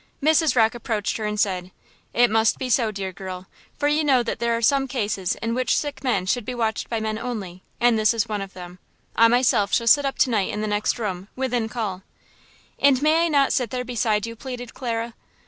Mrs. Rocke approached her and said: "It must be so, dear girl, for you know that there are some cases in which sick men should be watched by men only, and this is one of them. I myself shall sit up to night in the next room, within call." "And may I not sit there beside you?" pleaded Clara.